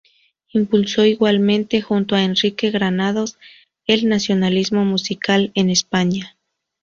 Impulsó igualmente, junto a Enrique Granados, el nacionalismo musical en España.